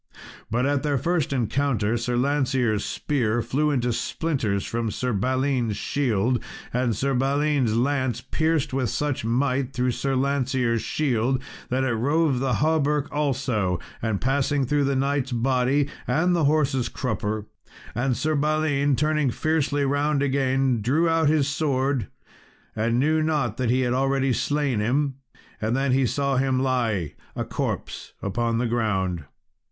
But at their first encounter Sir Lancear's spear flew into splinters from Sir Balin's shield, and Sir Balin's lance pierced with such might through Sir Lancear's shield that it rove the hauberk also, and passed through the knight's body and the horse's crupper. And Sir Balin turning fiercely round again, drew out his sword, and knew not that he had already slain him; and then he saw him lie a corpse upon the ground.